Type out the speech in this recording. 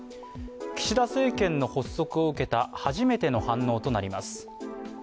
岸田政権の発足を受けた初めての反応となります。